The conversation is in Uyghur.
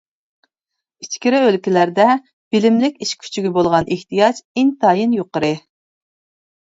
ئىچكىرى ئۆلكىلەردە بىلىملىك ئىش كۈچىگە بولغان ئېھتىياج ئىنتايىن يۇقىرى.